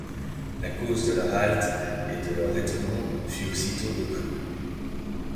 La cause de leur halte et de leur étonnement fut aussitôt reconnue.